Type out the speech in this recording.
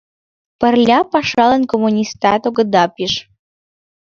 Пырля пашалан коммунистат огыда пиж...